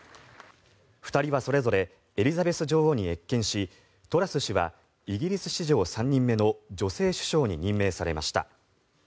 ２人はそれぞれエリザベス女王に謁見しトラス氏はイギリス史上３人目の女性首相に任命されました。